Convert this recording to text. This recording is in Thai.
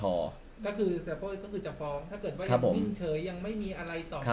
ก็คือจะฟองถ้าเกิดว่ายังมิ่งเฉยยังไม่มีอะไรต่อมา